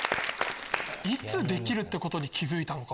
いつできることに気付いたのか。